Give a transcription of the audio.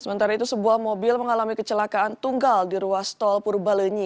sementara itu sebuah mobil mengalami kecelakaan tunggal di ruas tol purbalenyi